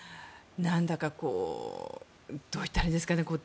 なんだかどう言ったらいいんですかね。